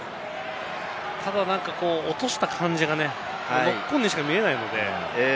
ただ、落とした感じがね、ノックオンにしか見えないので。